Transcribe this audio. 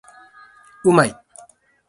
うまい